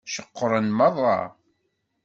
Ceqqṛen meṛṛa.